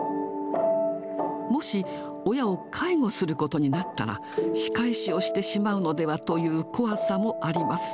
もし、親を介護することになったら、仕返しをしてしまうのではという怖さもあります。